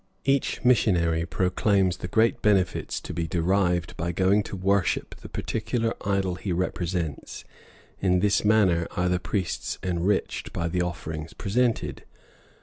Each missionary proclaims the great benefits to be derived by going to worship the particular idol he represents; in this manner are the priests enriched by the offerings presented.